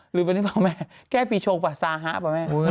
หรือว่านี่เปล่าแม่แก้ปีโชคปะสาหะปะแม่